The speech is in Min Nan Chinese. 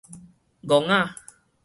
戇仔